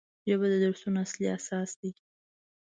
ژبه د درسونو اصلي اساس دی